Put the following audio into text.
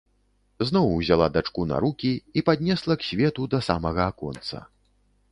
Зноў узяла дачку на рукі і паднесла к свету да самага аконца.